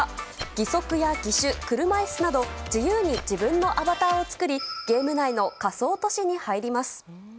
義足や義手、車いすなど自由に自分のアバターを作りゲーム内の仮想都市に入ります。